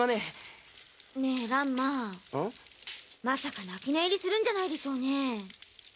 まさか泣き寝入りするんじゃないでしょうね？